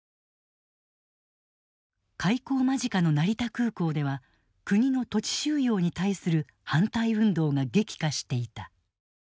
開港間近の成田空港では国の土地収用に対する反対運動が激化していた。